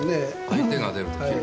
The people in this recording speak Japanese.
相手が出ると切る。